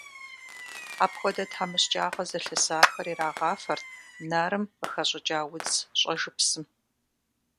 Апхуэдэ тхьэмыщкӏагъэ зылъысахэр ирагъафэрт нарым къыхэщӏыкӏа удз щӏэжыпсым.